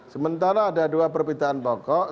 sementara ada dua permintaan pokok